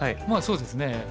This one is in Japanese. まあそうですね。